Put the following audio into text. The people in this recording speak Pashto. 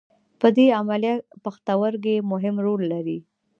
په دې عملیه پښتورګي مهم رول لري.